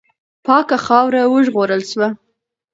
پاکه خاوره وژغورل سوه.